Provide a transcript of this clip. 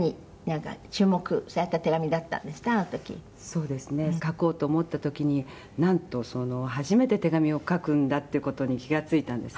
そうですね書こうと思った時になんと、初めて手紙を書くんだっていう事に気がついたんですね。